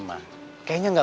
maksudnya sis sih